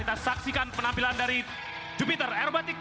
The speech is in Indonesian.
dan kemampuan terbuka